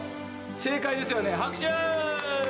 正解ですよね、拍手！